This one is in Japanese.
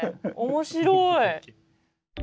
面白い。